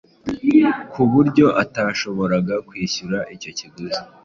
ku buryo atashoboraga kwishyura icyo kiguzi.